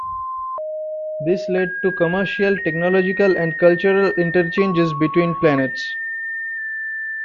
This led to commercial, technological and cultural interchanges between planets.